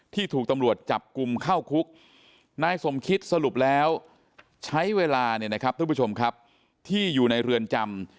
ที่ถูกตำรวจจับกุมเข้าคุกนายสมคิดสรุปแล้วใช้เวลาที่อยู่ในเรือนจำ